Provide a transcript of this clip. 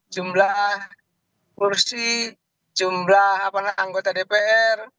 jumlah kursi jumlah anggota dpr